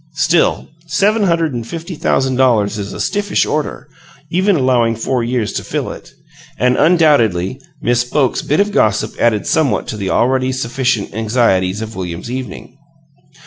Still, seven hundred and fifty thousand dollars is a stiffish order, even allowing four long years to fill it; and undoubtedly Miss Boke's bit of gossip added somewhat to the already sufficient anxieties of William's evening.